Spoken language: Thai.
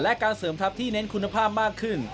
และการเสริมทัพที่เน้นคุณภาพมากขึ้น